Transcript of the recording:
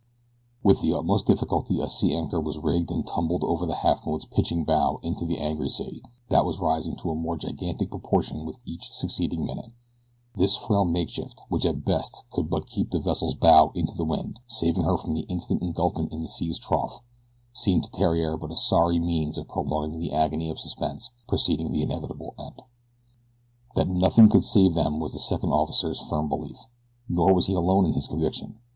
With the utmost difficulty a sea anchor was rigged and tumbled over the Halfmoon's pitching bow into the angry sea, that was rising to more gigantic proportions with each succeeding minute. This frail makeshift which at best could but keep the vessel's bow into the wind, saving her from instant engulfment in the sea's trough, seemed to Theriere but a sorry means of prolonging the agony of suspense preceding the inevitable end. That nothing could save them was the second officer's firm belief, nor was he alone in his conviction.